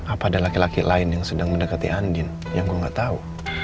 apa ada laki laki lain yang sedang mendekati anjing yang gue gak tahu